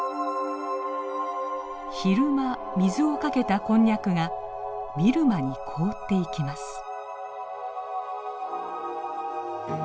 昼間水をかけたこんにゃくが見るまに凍っていきます。